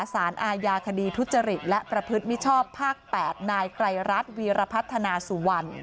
สารอาญาคดีทุจริตและประพฤติมิชชอบภาค๘นายไกรรัฐวีรพัฒนาสุวรรณ